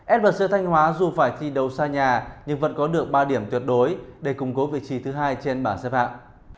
flc thanh hóa dù phải thi đấu xa nhà nhưng vẫn có được ba điểm tuyệt đối để cùng cố vị trí thứ hai trên bảng xếp hạng